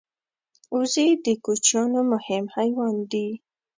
وزې د کوچیانو مهم حیوان دی